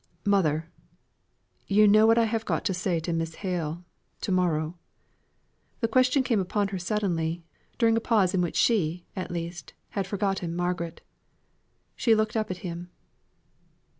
"Mother! You know what I have got to say to Miss Hale, to morrow?" The question came upon her suddenly, during a pause in which she, at least, had forgotten Margaret. She looked up at him.